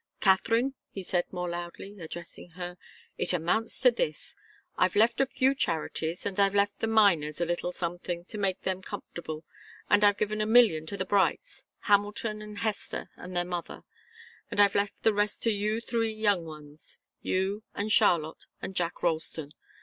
Katharine," he said, more loudly, addressing her, "it amounts to this. I've left a few charities, and I've left the Miners a little something to make them comfortable, and I've given a million to the Brights Hamilton and Hester and their mother and I've left the rest to you three young ones you and Charlotte and Jack Ralston.